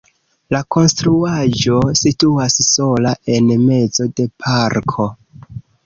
La konstruaĵo situas sola en mezo de parko.